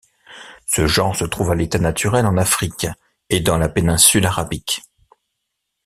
Ce genre se trouve à l'état naturel en Afrique et dans la péninsule arabique.